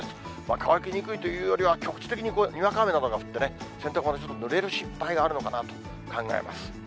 乾きにくいというよりは、局地的にこれ、にわか雨などが降ってね、洗濯物ぬれる心配があるのかなと考えます。